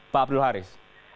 pak abdul haris